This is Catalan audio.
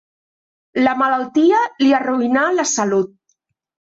La malaltia li arruïnà la salut.